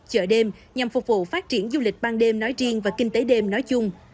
chợ đêm nhằm phục vụ phát triển du lịch ban đêm nói riêng và kinh tế đêm nói chung